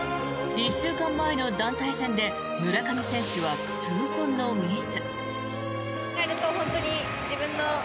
１週間前の団体戦で村上選手は痛恨のミス。